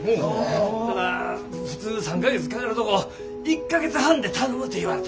ただ普通３か月かかるとこ１か月半で頼むて言われた。